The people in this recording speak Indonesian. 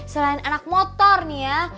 selain anak motor nih ya